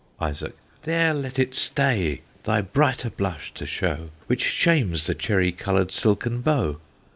ISAAC. There let it stay, thy brighter blush to show, Which shames the cherry colour'd silken bow.